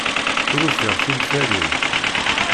Ur ufiɣ timtal-im.